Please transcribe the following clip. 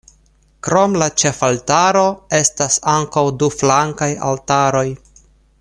Krom la ĉefaltaro estas ankaŭ du flankaj altaroj.